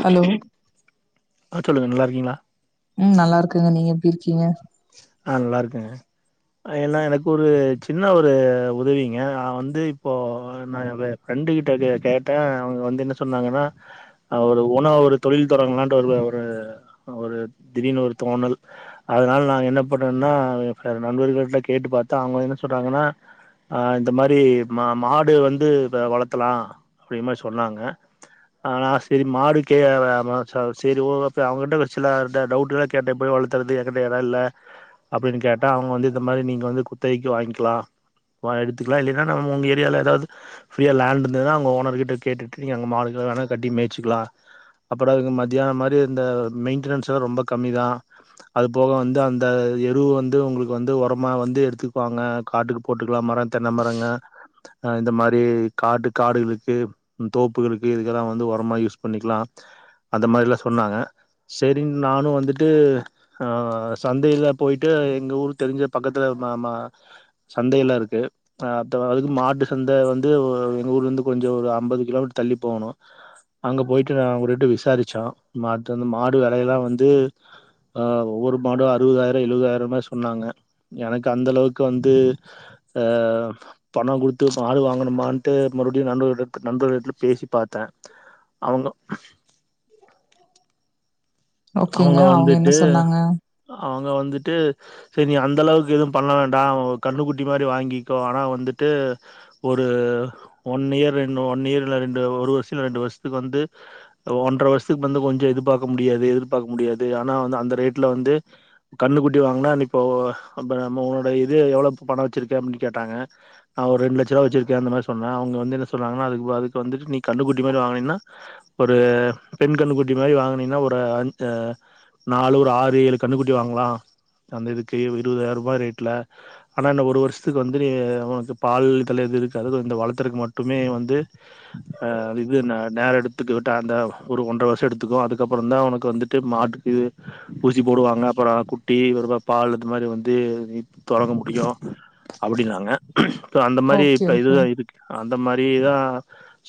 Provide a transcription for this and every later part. Hello அஹ் சொல்லுங்க நல்லா இருக்கீங்களா உம் நல்லா இருக்கேங்க நீங்க இருக்கீங்க ஆஹ் நல்லா இருக்குறேன் எல்லா எனக்கு ஒரு சின்ன ஒரு உதவிங்க நான் வந்து இப்போ நான் ஃப்ரெண்டு கிட்ட கேட்டேன் அவங்க வந்து என்ன சொன்னாங்கன்னா ஒரு உணவு ஒரு தொழில் தொடங்கலான்ட்டு ஒரு ஒரு ஒரு திடீர்னு ஒரு தோணல் அதனால் நான் என்ன பண்ணேன்னா என்னோட நண்பர்களிட்ட கேட்டு பாத்தா அவங்க என்ன சொல்றாங்கன்னா இந்த மாரி மா மாடு வந்து இப்போ வளர்த்தலா அப்படி மாரி சொன்னாங்க நான் செரி மாடு கே ச செரி ஓ அவங்கிட்ட சில ட டவுட்டுலா கேட்ட போய் எப்படி வளர்த்துறது இப்படி இடமில்ல அப்படின்னு கேட்டா அவங்க வந்து இந்த மாரி நீங்க வந்து குத்தைக்கு வாங்கிக்கலா வா எடுத்துக்கலா இல்லைன்னா நம்ம உங்க ஏரியாவால ஏதாவது ஃபிரீயா லேண்ட் இருந்ததுன்னா அங்க ஓனர் கிட்ட கேட்டுட்டு நீங்க அங்க மாடு கிடு வேணா கட்டி மேய்ச்சிக்கலா அப்புறோ அதுக்கு மத்தியானம் மாரி இந்த மெயிடேன்னன்ஸ்ல்லா ரொம்ப கம்மி தான் அது போக வந்து அந்த எருவு வந்து உங்களுக்கு வந்து உரமா வந்து எடுத்துக்குவாங்க காட்டுக்கு போட்டுக்கலா மரம் தென்ன மரங்க இந்த மாரி காட்டு காடுகளுக்கு தோப்புகளுக்கு இதுக்கெல்லா வந்து உரமா யூஸ் பண்ணிக்கலா அந்த மாரிலா சொன்னாங்க செரி நானும் வந்துட்டு ஆஹ் சந்தையில போயிட்டு எங்க ஊரு தெரிஞ்ச பக்கத்துல மா மா சந்தைய எல்லா இருக்கு ஹ அப்ப அதுக்கு மாட்டு சந்தை வந்து எங்க ஊர்ல இருந்து கொஞ்சோ ஒரு அம்பது கிலோமீட்டர் தள்ளி போகணும் அங்க போயிட்டு நான் ஒருஎட்டு விசாரிச்சோ மாட்டு வந்து மாடு விலையெல்லா வந்து ஆஹ் ஒவ்வொரு மாடும் அறுபதாயிரம் எழுவதாயிரமே சொன்னாங்க எனக்கு அந்த அளவுக்கு வந்து ஆஹ் பணம் கொடுத்து மாடு வாங்கணுமான்ட்டு மறுபடியும் நண்பர்களிட நண்பர்களிடத்துல பேசி பாத்தேன் அவங்க ஓக்கேங்க அவங்க என்ன சொன்னாங்க அவுங்க வந்துட்டு செரி நீ அந்த அளவுக்கு எதுவும் பண்ண வேண்டாம் ஒரு கண்ணுக்குட்டி மாரி வாங்கிக்கோ ஆனா வந்துட்டு ஒரு ஒன் இயர் ரெண் ஒன் இயர் இல்ல ரெண்டு ஒரு வருஷம் இல்ல இரண்டு வருஷத்துக்கு வந்து ஒன்றரை வருஷத்துக்கு வந்து கொஞ்சோ எதிர்பாக்க முடியாது எதிர் பாக்க முடியாது ஆனா வந்து அந்த ரேட்டில வந்து கண்ணுக்குட்டி வாங்கினா இப்போ நம்ம உன்னோட இது எவ்வளோ பணம் வச்சிருக்கே அப்படின்னு கேட்டாங்க நான் ஒரு ரெண்டு லட்சரூபா வச்சுருக்கேன் அந்த மாதிரி சொன்னேன் அவங்க வந்து என்ன சொல்றாங்கன்னா அதுக்கு அதுக்கு வந்துட்டு நீ கண்ணுக்குட்டி மாதிரி வாங்கனீன்னா ஒரு பெண் கண்ணு குட்டி மாதிரி வாங்கினீன்னா ஒரு அஞ் சா நாலு ஒரு ஆறு ஏழு கன்னுக்குட்டி வாங்கலா அந்த இதுக்கு இருபதாயிரம் ரூபாய் ரேட்டில ஆனா இந்த ஒரு வருஷத்துக்கு வந்து நீ அவனக்கு பால் தலை இது இருக்க அது இந்த வளர்த்தறக்கு மட்டுமே வந்து இது ந நேரம் எடுத்துக்க விட்ட அந்த ஒரு ஒன்றரை வருஷம் எடுத்துக்கும் அதுக்கப்புறோ தான் ஒனக்கு வந்து ட்டு மாட்டுக்கு இது ஊசி போடுவாங்க அப்புறோ குட்டி பால் இந்த மாதிரி வந்து நீ தொடங்க முடியும் அப்படினாங்க இப்ப அந்த மாதிரி ஓகே இப்ப ஓகே இதுதான் இருக்கு ஆ அந்த மாதிரிதான்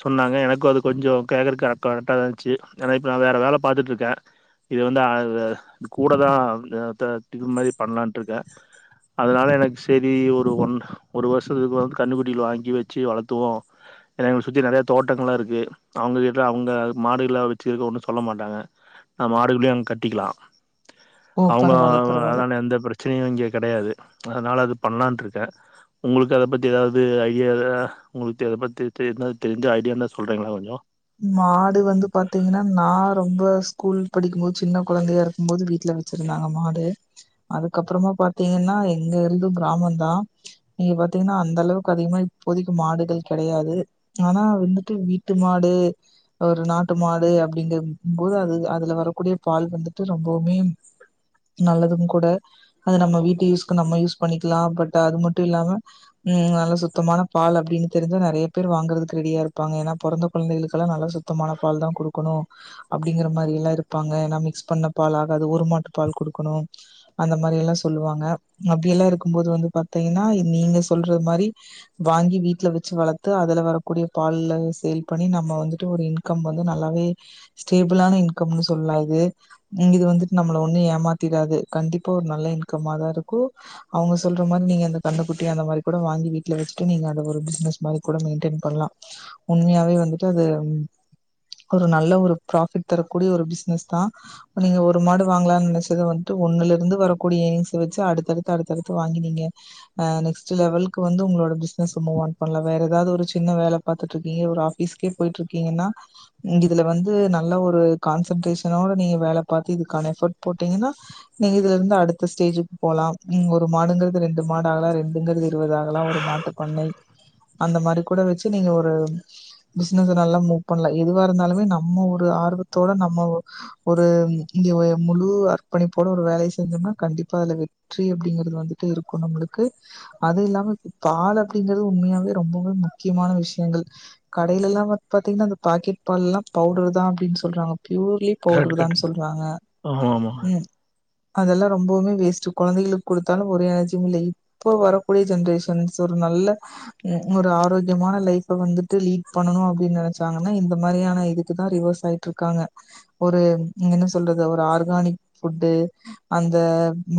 சொன்னாங்க எனக்கும் அது கொஞ்சோ கேக்றக்கு ரெட்டா த இருந்துச்சு ஏன்னா இப்ப நான் வேற வேல பாத்துட்டு இருக்கேன் இது வந்து அ கூட தான் த திக மாரி பண்ணலான்ட்டு இருக்கே அதனால எனக்கு செரி ஒரு ஒன் ஒரு வருஷத்துக்கு வந்து கன்னுக்குட்டியில் வாங்கி வச்சு வளத்துவோம் எனக்கு சுற்றி நெறைய தோட்டங்கள்லா இருக்கு அவங்க கிட்ட அவங்க மாடுல வச்சுருக்க ஒன்னும் சொல்ல மாட்டாங்க நம் மாடுகளையும் அங்க கட்டிக்கலா ஓ அவங்க பரவால்ல பரவால்ல அதனால எந்த பிரச்சனையும் இங்க கிடையாது அதனால அது பண்ணலான்ட்டுருக்கேன் உங்களுக்கு அத பத்தி ஏதாவது ஐடியா உங்களுக்கு எதை பற்றி ஏதாவது தெரிஞ்ச ஐடியா இருந்தா சொல்கிறீங்களா கொஞ்சோ மாடு வந்து பாத்தீங்கன்னா நா ரொம்ப ஸ்கூல் படிக்கும்போது சின்ன குழந்தையா இருக்கும் போது வீட்டுல வச்சிருந்தாங்க மாடு அதுக்கப்பறமா பாத்தீங்கன்னா எங்க இருதும் கிராமந்தா இங்க பாத்தீங்கன்னா அந்த அளவுக்கு அதிகமா இப்போதைக்கு மாடுகள் கெடையாது ஆனா வந்துட்டு வீட்டு மாடு ஒரு நாட்டு மாடு அப்டிங்க போது அது அதுல வரக்கூடிய பால் வந்துட்டு ரொம்பவுமே நல்லதும் கூட அது நம்ம வீட்டு யூஸ்கு நம்ம யூஸ் பண்ணிக்கிலா பட் அது மட்டு இல்லாம உம் நல்ல சுத்தமான பால் அப்டின்னு தெரிஞ்சா நெறைய பேர் வாங்கறதுக்கு ரெடியா இருப்பாங்க ஏன்னா பொறந்த குழந்தைகளுக் குல்லா நல்லா சுத்தமான பால் தா குடுக்கணு அப்டிங்கிற மாரி இல்லா இருப்பாங்க ஏன்னா மிக்ஸ் பண்ண பால் ஆகாது ஒரு மாட்டு பால் குடுக்கணு அந்த மாரி எல்லா சொல்லுவாங்க அப்டியெல்லா இருக்கும் போது வந்து பாத்தீங்கன்னா நீங்க சொல்றது மாரி வாங்கி வீட்ல வச்சு வளத்து அதுல வரக்கூடிய பால்ல சேல் பண்ணி நம் ம வந்துட்டு ஒரு இன்கம் வந்து நல்லாவே ஸ்டேபிளான இன்கம்னு சொல்லலா இது ம் இது வந்துட்டு நம்மள ஒண்ணு ஏமாத்திடாது கண்டிப்பா ஒரு நல்ல இன்கம்மா தா இருக்கு அவங்க சொல்ற மாரி நீங்க அந்த கண்ணு குட்டி அந்த மாரி கூட வாங்கி வீட்டுல வச்சுட்டு நீங்க அத ஒரு பிஸ்னஸ் மாரி கூட மெய்ண்டைன் பண்லா உண்மையாவே வந்து டு அது ஒரு நல்ல ஒரு ப்ராஃபிட் தரக்கூடிய ஒரு பிஸ்னஸ் தா நீங்க ஒரு மாடு வாங்கலான்னு நினச்சத வன்ட்டு ஒண்ணுல இருந்து வரக்கூடிய எர்னிங்ஸ்ஸ வச்சு அடுத்தடுத்து அடுத்தடுத்து வாங்கி நீங்க ஆ நெக்ஸ்ட்டு லெவலுக்கு வந்து உங்களோட பிஸ்னஸ்ஸ மூவ் ஆன் பண்லா வேற ஏதாவது ஒரு சின்ன வேல பாத்துட்டு இருக்கீங்க ஒரு ஆஃப் ஸ்கே போய்ட்டு இருக்கீங்கன்னா இதுல வந்து நல்ல ஒரு கான்சன்ட்ரேஷனோட நீங்க வேல பாத்து இதுக்கான எஃபர்ட் போட்டீங்கன்னா நீங்க இதுல இருந்து அடுத்த ஸ்டேஜுக்கு போலா ஒரு மாடுங்குறது ரெண்டு மாடாகலா ரெண்டுங்கிறது இருவது ஆகலா ஒரு மாட்டு பண்ணை அந்த மாரி கூட வச்சி நீங்க ஒரு பிஸ்னஸ நல்லா மூவ் பண்ணலா எதுவா இருந்தாலுமே நம்ம ஒரு ஆர்வத்தோட நம்ம ஒ ஒரு இய ஒய முழு அர்ப்பணிப்போட ஒரு வேலைய செஞ்சோம்னா கண்டிப்பா அதுல வெற்றி அப்டிங்கிறது வந்துட்டு இருக்கு நம்மளுக்கு அது இல்லாம பால் அப்டிங்கிறது உண்மையாவே ரொம்பவே முக்கியமான விஷ்யங்கள் கடையிலல்லா வ பாத்தீங்கன்னா அந்த பாக்கெட் பால் எல்லா பவுடர் தா அப்டின்னு சொல்றாங்க பியூர்லி கரெக்ட் பவுடர் தான்னு கரெக்ட் சொல்றாங்க ஆமா ஆமா உம் அதெல்லா ரொம்பவுமே வேஸ்ட்டு கொழந்தைகளுக்கு கொடுத்தாலு ஒரு எனர்ஜியு இல்ல இப்போ வரக்கூடிய ஜென்ரேஷன்ஸ் ஒரு நல்ல ஒரு ஆரோக்கியமான லைஃப்ப வந்து ட்டு லீட் பண்ணணு அப்டினு நெனச்சாங்கன்னா இந்த மாரியான இதுக்கு தா ரிவர்ஸ் ஆய்ட்ருக்காங்க ஒரு என்ன சொல்றது ஒரு ஆர்கானிக் ஃபுட்டு அந்த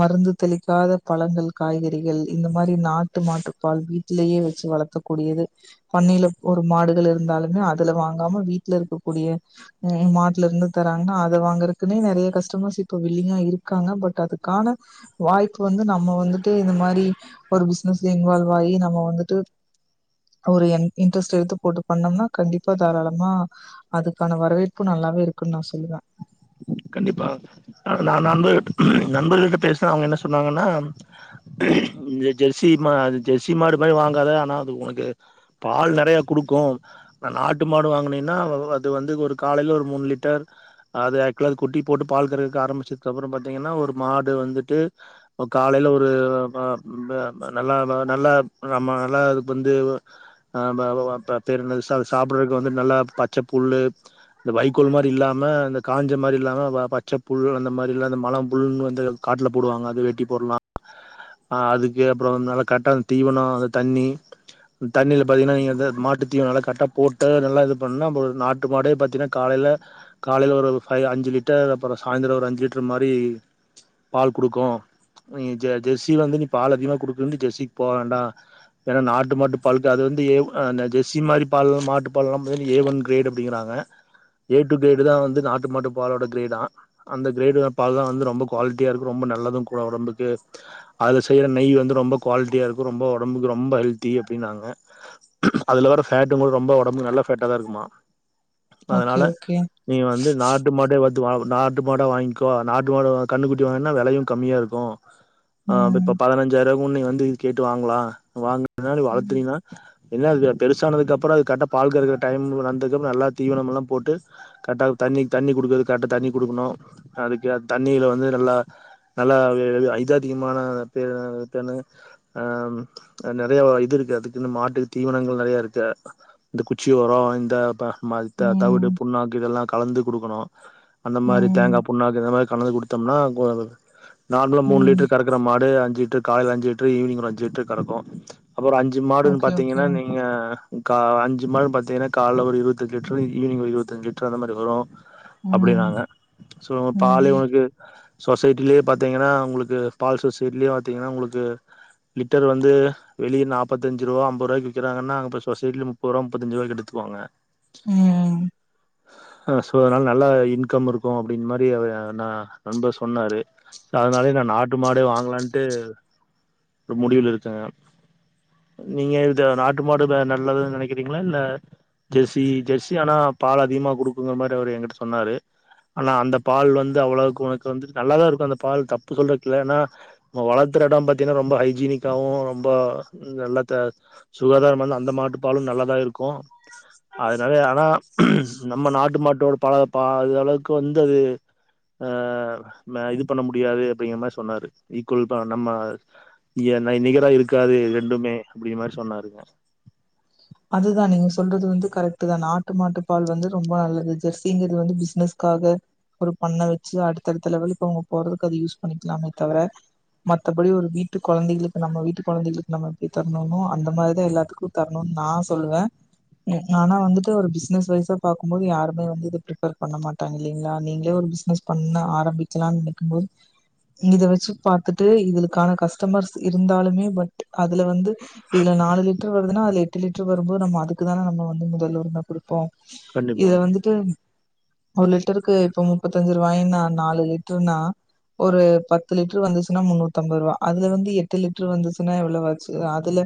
மருந்து தெளிக்காத பழங்கள் காய்கறிகள் இந்த மாரி நாட்டு மாட்டுப்பால் வீட்டிலயே வச்சு வளக்கக் கூடியது பண்ணையில ஒரு மாடுகள் இருந்தாலுமே அதுல வாங்காம வீட்ல இருக்கக்கூடிய மாட்லருந்து தராங்கன்னா அத வாங்குறக்குனே நெறைய கஸ்டமர்ஸ் இப்ப வில்லிங்கா இருக்காங்க பட் அதுக்கான வாய்ப்பு வந்து நம்ம வந்துட்டு இந்த மாரி ஒரு பிசினஸ்ல இன்வால்வ் ஆயி நம்ம வந்துட்டு ஒரு என் இன்ட்ரெஸ்ட் எடுத்து போட்டு பண்ணோம்னா கண்டிப்பா தாராளமா அதுக்கான வரவேற்பு நல்லாவே இருக்குன்னு நா சொல்லுவே கண்டிப்பா நா நா நண்பர்கிட்ட நண்பர்கிட்ட பேசின அவங்க என்ன சொன்னாங்கன்னா இந்த ஜெர்சி மா அது ஜெர்சி மாடு மாரி வாங்காத ஆனா அது உனக்கு பால் நெறைய குடுக்கு நாட்டு மாடு வாங்குனீன்னா அது வந்து ஒரு காலையில ஒரு மூணு லிட்டர் அது குல அது குட்டி போட்டு பால் கறக்கக்கு ஆரம்பிச்சதுக்கு அப்புற பாத்தீங்கன்னா ஒரு மாடு வந்துட்டு காலைல ஒரு ப ப நல்லா ப நல்லா நம்ம நல்லா அதுக்கு வந்து ப ப பேர் என்னது சா சாப்பிடுறதுக்கு வந்து நல்லா பச்ச புல்லு இந்த வைக்கோல் மாரி இல்லாம இந்த காஞ் ச மாரி இல்லாம பச்ச புல் அந்த மாரி இல்ல மழ புல் வந்து காட்டுல போடுவாங்க அது வெட்டி போட்லா ஆ அதுக்கு அப்புற நல்லா கரட்டான தீவனோ அந்த தண்ணி தண்ணில பாதிங்கன்னா நீங்க இத மாட்டு தீவனல்ல கரட்டா போட்டு நல்லா இது பண்ணா போது நாட்டு மாடே பாதீங்கன்னா காலையில காலையில ஒரு ஃபைவ் அஞ்சு லிட்டர் அப்புற சாய்ந்தர ஒரு அஞ்சு லிட்டரு மாரி பால் குடுக்கு நீ ஜெ ஜெர்சி வந்து நீ பால் அதிகமா குடுக்குதுன்னு நீ ஜெர்சிக்கு போ வேண்டா ஏன்னா நாட்டு மாட்டு பாலுக்கு அது வந்து ஏ அந்த ஜெர்சி மாரி பால்லா மாட்டு பால்லா பத்தீங் ஏ ஒன் கிரேட் அப்டிங்கிறாங்க ஏ டூ கிரேடு தா வந்து நாட் ட்டு மாட்டு பாலோட கிரேடா அந்த கிரேடுல்ல பால் தா வந்து ரொம்ப குவாலிட்டியா இருக்கு ரொம்ப நல்லது கூட ஒடம்புக்கு அதுல செய்யற நெய் வந்து ரொம்ப குவாலிட்டியா இருக்கு ரொம்ப ஒடம்புக்கு ரொம்ப ஹெல்தி அப்டின்னாங்க அதுல வர்ற ஃபேட்டும் கூட ரொம்ப ஒடம்புக்கு நல்ல ஃபேட்டா தா இருக்குமா ஓகே அதனால ஓகே நீங்க வந்து நாட் பாத்து வாங் நாட்டு மாடா வாங்க்கோ நாட்டு மாட கண்ணு குட்டி வாங்க்னா வெலையு கம்மியா இருக்கு ஆஹ் இப்ப ம் பதனஞ்சாயிர உன்னய வந்து இது கேட்டு வாங்களா வாங் பின்னாடி ம் வளர்த்துறீனா என்ன அது பெருசானதுக்கப்பற அது கரட்ட பால் கறக்குற டைம் வந்தக்கப்ற நல்லா தீவனம் எல்லா போட்டு கட்டாவ் தண்ணி தண்ணி குடுக்குறது கரெட்டா தண்ணி குடுக்கணு அதுக்கு தண்ணியில வந்து நல்லா நல்லா இ இது அதிகமான பே பேரென்னது ஆ நெறைய இது இருக்கே அதுக்குன்னு மாட்டு தீவனங்கள் நெறையா இருக்க இந்த குச்சி ஒரோ இந்த ப மல்த தவுடு ம் புண்ணாக்கு இதெல்லா கலந்துக் குடுக்கணு அந்த மாரி தேங்கா ம் புண்ணாக்கு இத மாரி கலந்து குடுத்தோம்னா கோ நார்மலா மூணு ம் லிட்டுரு கறக்கற மாடு டு அஞ்சு லிட்ரு கால்ல அஞ்சு லிட்ரு ஈவினிங் ஒரு அஞ்சு லிட்ரு கறக்கு அப்புற அஞ்சு மாடுன்னு ஓகே ஓகே பாத்தீங்கன்னா நீங்க கா அஞ்சு மாட்டுன்னு பாத்தீங்கன்னா கால்ல ஒரு இருவத்தஞ்சு லிட்ரு ஈவினிங் ஒரு இருவத்தஞ்சு லிட்ரு அந்த மாரி வரு ம் அப்டினாங்க சோ பாலே ம் உனக்கு சொசைட்டிலேயே பாத்தீங்கன்னா உங்களுக்கு பால் சொசைடிலேயே பாத்தீங்கன்னா உங்களுக்கு லிட்டர் வந்து வெளியே நாப்பத்தஞ்சு ரூவா அம்பது ரூவாய்கு விக்கிறாங்கன்னா அங்கப்பொ சொசைடில முப்பரூவா முப்பதஞ்சு ரூவாய்கு எடுத்துகு வாங்க உம் ஹாஸ் சோ அதனால நல்லா இன்கம் இருக்கு அப்டின் மாரி அவ நா நண்பர் சொன்னாரு ஸோ அதனாலய நா நாட்டு மாடே வாங்கலான்ட்டு ஒரு முடிவில இருக்கே நீங்க இந்த நாட்டு மாடு வே நல்லதுன்னு நெனைக்கிறீங்களா இல்ல ஜெர்சி ஜெர்சி ஆனா பால் அதிகமாக குடுக்குங்கிற மாரி வந்தவரு என்கிட்ட சொன்னாரு ஆனா அந்த பால் வந்து அவ்வளவுக்கு உனக்கு வந்துட்டு நல்லாதா இருக்கு அந்த பால் தப்பு சொல்றகில்ல ஏன்னா நம்ம வளத்துற இடம் பாத்தீன்னா ரொம்ப ஹைஜீனிக்காவு ரொம்ப நல்லத்த சுகாதாரமான அந்த மாட்டு பாலு நல்லாதா இருக்கு அதனால ஆனா நம்ம நாட்டு மாட்டு ஒரு பா பாதி அளவுக்கு வந்து அது அ நா இது பண்ண முடியாது அப்பிடிங்கற மாரி சொன்னாரு. ஈக்குவல் பா நம்ம நி-நிகரா இருக்காது ரெண்டுமே அப்பிடிங்கற மாரி சொன்னாரு. அதுதா நீங்க சொல்றது வந்து கரெக்ட் தா. நாட்டு மாட்டு பால் வந்து ரொம்ப நல்லது. ஜெர்சிங்கறது வந்து பிசினஸ்க்காக ஒரு பண்ண வச்சி அடுத்தடுத்த லெவல்க்கு அவுங்க போறதுக்கு அது யூஸ் பண்ணிக்கலாமே தவிர மத்தபடி ஒரு வீட்டு கொழந்தைகளுக்கு நம்ம வீட்டு கொழந்தைகளுக்கு நம்ம எப்பிடி தரணுமோ அந்த மாரி எல்லாத்துக்கு தரணும். ஆனா வந்துட்டு ஒரு பிசினஸ் வைசா பாக்கும்போது யாருமே வந்து இத பிரிபர் பண்ண மாட்டாங்க இல்லிங்களா. நீங்களே ஒரு பிசினஸ் பண்ண ஆரம்பிக்கலானு நனைக்கும் போது இத வச்சி பாத்துட்டு இதுக்கான கஸ்டமர்ஸ் இருந்தாலுமே பட் அதுல வந்து இதுல நாலு லிட்டர் வருதுன்னா அதுல எட் எட்டு லிட்டர் வரும்போது நம்ம அதுக்கு தான நம்ம முதல் உரிமை குடு ப்போ கண்டிப்பா இத வந்துட்டு ஒரு லிட்டருக்கு இப்ப முப்பத்தஞ்சு ரூவாயினா நாலு லிட்டருனா ஒரு பத்து லிட்டரு வந்துச்சுன்னா முன்னூத்து அம்பது ரூவா அதுல வந்து எட்டு லிட்டரு வந்துச்சுன்னா எவ்வளவாச்சு அதுல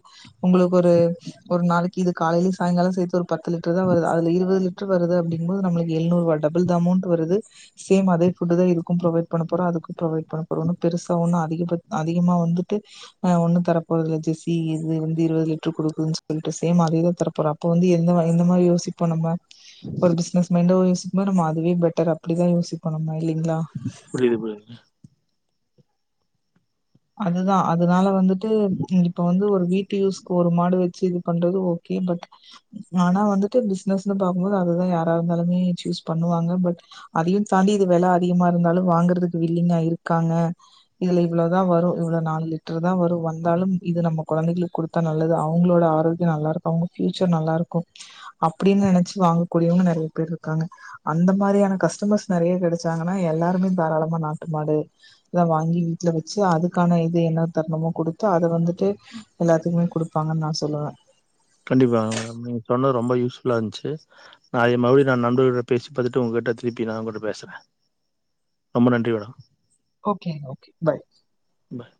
உங்களுக்கு ஒரு ஒரு நாளைக்கி இது காலைலியு சாயிங்கால சேத்து ஒரு பத்து லிட்டரு தா வருது அதல இருபது லிட்டரு வருது அப்டிங்கும்போது நம்மளுக்கு எழுநூறுரூவா டபுள் த அமோண்ட் வருது சேம் அதே ஃபுட்டு தா இதுக்கு ப்ரொவைட் பண்ண போறோ அதுக்கு ப்ரொவைட் பண்ண போறோ ஒன்னு பெருசா ஒன்னு அதிகபட் அதிகமாக வந்துட்டு அ ஒன்னு தர போறதுல்ல ஜெஸி இது வந்து இருவது லிட்ரு குடுக்குதுன்னு சொ சொல்ட்டு சேம் அதேதா தர போறோ அப்ப வந்து எந்த எந்த மாரி யோசிப்போ நம்ம ஒரு பிஸ்னஸ் மைண்டாவு யோசி நம்ம அதுவே பெட்டர் அப்டிதா யோசிப்போ நம்ம இல்லீ புரிது புரிது அதுதா அதுனால வந்து ட்டு இப்ப வந்து ஒரு வீட்டு யூஸ்க்கு ஒரு மாடு வச்சி இது பண்றது ஓகே பட் ஆனா வந்துட்டு பிஸ்னஸ்ன்னு பாக்கும்போது அதுதா யாரா இருந்தாலுமே சூஸ் பண்ணுவாங்க பட் அதையு தாண்டி இது வெல அதிகமா இருந்தாலு வாங்கறதுக்கு வில்லிங்கா இருக்காங்க இதுல இவ்ளோ தா வரு இவ்ள நாலு லிட்ரு தா வரு, வந்தாலு இது நம்ம கொழந்தைகளுக்கு குடுத்தா நல்லது அவங்களோட ஆரோக்கிய நல்லா இருக்கு அவங்க பியூச்சர் நல்லா இருக்கு அப்டின்னு நெனச்சு வாங்கக்கூடியவங்க நறைய பேர் இருக்காங்க, அந்த மாரியான கஸ்டமர்ஸ் நறைய கெடைச்சாங்கன்னா எல்லாருமே தாராளமா நாட்டு மாடு இத வாங்கி வீட்ல வ ச்சி அதுக்கான இது என்ன தரணுமோ குடுத்து அத வந்துட்டு எல்லாத்துக்குமே குடுப்பாங்கன்னு நா சொல்லுவே கண்டிப்பாங்க மேடம், நீங்க சொன்னது ரொம்ப யூஸ் ஃபுல்லா இருந்துச்சு நா எ மொத, நா நண்பர்கள்ட்ட பேசி பாத்தட்டு உங்க கிட்ட திருப்பி நா உங்க்கிட்ட பேசுற ரொம்ப நன்றி மேடம். ஓகே ஓகே பாய் பாய்